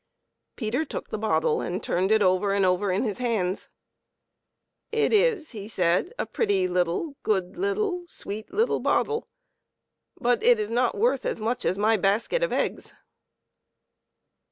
Peter took the bottle and turned it over and over in his hands. " It is," said he, " a pretty little, good little, sweet little bottle, but it is not worth as much as my basket of eggs."